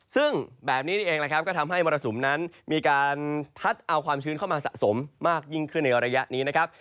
ซึ่งแบบนี้นี่เองนะครับก็ทำให้มรสุมนั้นมีการพัดเอาความชื้นเข้ามาสะสมมากยิ่งขึ้นในระยะนี้นะครับ